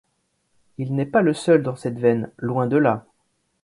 Il n'est pas le seul dans cette veine, loin de là.